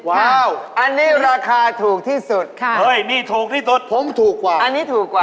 ว้าวอันนี้ราคาถูกที่สุดเฮ้ยนี่ถูกที่สุดผมถูกกว่าอันนี้ถูกกว่า